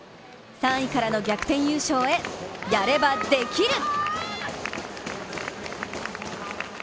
３位からの逆転優勝へ、やればできる！